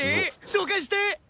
紹介して！